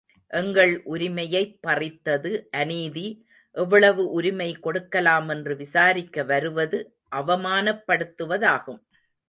எங்கள் உரிமையைப் பறித்தது அநீதி, எவ்வளவு உரிமை கொடுக்கலாமென்று விசாரிக்க வருவது அவமானப்படுத்துவதாகும்.